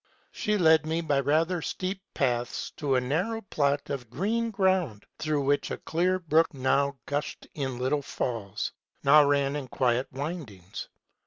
She led me by rather steep paths to a narrow plot of green ground, through which a clear brook now gushed in little falls, now ran in quiet windings.